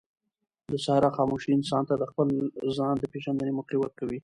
د صحرا خاموشي انسان ته د خپل ځان د پېژندنې موقع ورکوي.